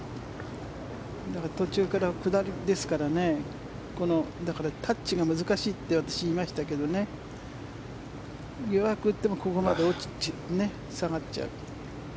だから、途中から下りですからタッチが難しいって私は言いましたけど弱く打ってもここまで下がっちゃう。